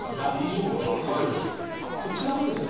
こちらもですね